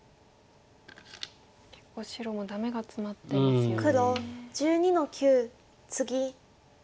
結構白もダメがツマってますよね。